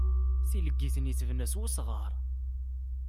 Tileggit-nni tebna s wesɣar.